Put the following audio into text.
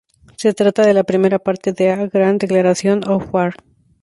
Se trata de la primera parte de "A Grand Declaration of War".